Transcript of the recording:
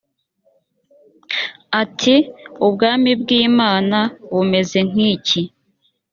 ati ubwami bw imana bumeze nk iki